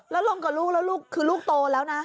แล้วลงกับลูกแล้วลูกคือลูกโตแล้วนะ